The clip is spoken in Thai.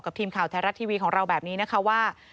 ทีมข่าวไทยรัฐทีวีของเราแบบนี้นะคะว่า